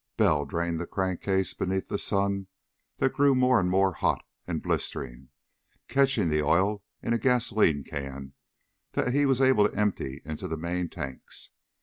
Bell drained the crankcase beneath a sun that grew more and more hot and blistering, catching the oil in a gasoline can that he was able to empty into the main tanks.